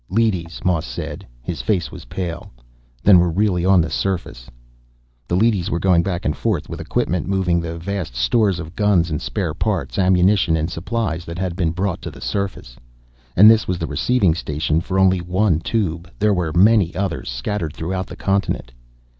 "Leadys," Moss said. His face was pale. "Then we're really on the surface." The leadys were going back and forth with equipment moving the vast stores of guns and spare parts, ammunition and supplies that had been brought to the surface. And this was the receiving station for only one Tube; there were many others, scattered throughout the continent.